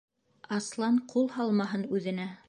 Аслан ҡул һалмаһын үҙенә...